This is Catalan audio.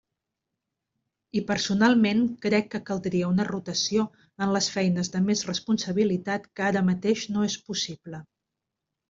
I personalment crec que caldria una rotació en les feines de més responsabilitat que ara mateix no és possible.